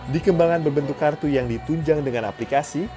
dikembangkan berbentuk kartu yang ditunjang dengan aplikasi